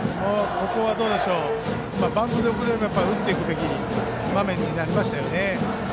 ここはバントよりも打っていくべき場面になりましたね。